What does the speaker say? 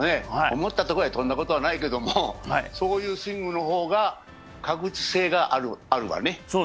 思ったところへ飛んだことはないけれどもそういうスイングの方が確実性があるわね。